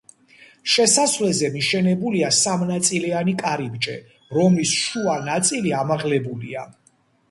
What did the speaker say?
შესასვლელზე მიშენებულია სამნაწილიანი კარიბჭე, რომლის შუა ნაწილი ამაღლებულია.